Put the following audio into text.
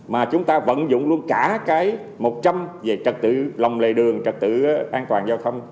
mà chúng ta vẫn dùng luôn cả cái một trăm linh về trật tự lòng lề đường trật tự an toàn